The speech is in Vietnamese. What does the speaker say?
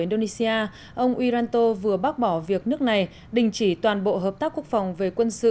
indonesia ông iranto vừa bác bỏ việc nước này đình chỉ toàn bộ hợp tác quốc phòng về quân sự